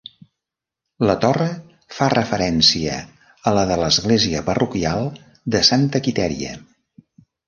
La torre fa referència a la de l'església parroquial de Santa Quitèria.